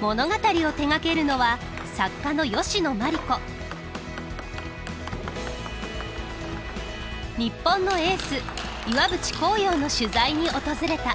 物語を手がけるのは日本のエース岩渕幸洋の取材に訪れた。